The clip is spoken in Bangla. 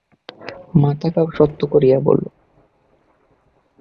মাথা খাও, সত্য করিয়া বলো।